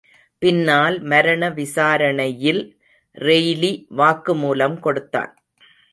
பின்னால் மரண விசாரணையில் ரெய்லி வாக்குமூலம் கொடுத்தான்.